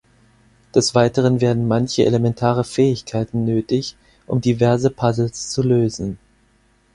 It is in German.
Des Weiteren werden manche elementare Fähigkeiten nötig um diverse Puzzles zu lösen.